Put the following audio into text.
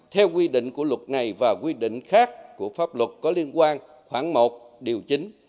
theo quy định của luật này và quy định khác của pháp luật có liên quan khoảng một điều chính